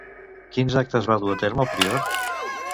Quins actes va dur a terme el prior?